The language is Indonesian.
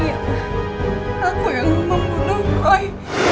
aku yang membunuh roy